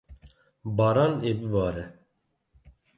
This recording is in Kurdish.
Baran ê bibare.